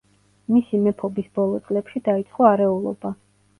მისი მეფობის ბოლო წლებში დაიწყო არეულობა.